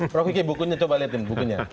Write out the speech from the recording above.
prof kiki bukunya coba lihatin bukunya